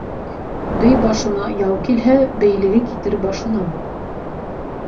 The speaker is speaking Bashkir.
Бей башына яу килһә, бейлеге китер башынан.